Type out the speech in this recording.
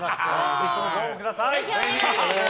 ぜひともご応募ください。